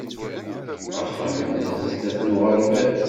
Axxam-nneɣ sdat n uɣerbaz.